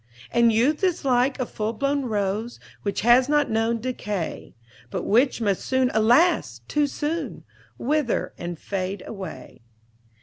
"And youth is like a full blown rose Which has not known decay; But which must soon, alas! too soon! Wither and fade away.